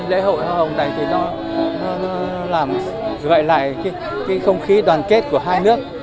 lễ hội hoa hồng này gợi lại không khí đoàn kết của hai nước